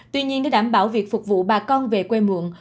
tuy nhiên để đảm bảo việc phục vụ bà con về quê muộn